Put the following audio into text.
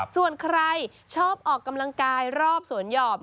ส่วนใครชอบออกกำลังกายรอบสวนหยอบ